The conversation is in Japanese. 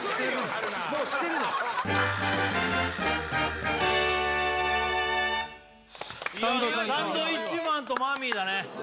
春菜サンドウィッチマンとマミーだね